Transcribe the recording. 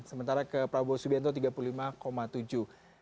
sementara ke prabowo subianto tiga puluh lima tujuh